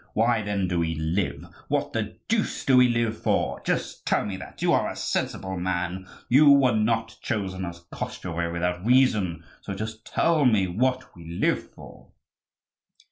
Why, then, do we live? What the deuce do we live for? just tell me that. You are a sensible man, you were not chosen as Koschevoi without reason: so just tell me what we live for?"